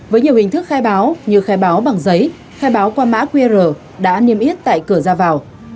với nhiều hình thức khai báo như khai báo bằng giấy khai báo qua mã qr đã niêm yết tại cửa ra vào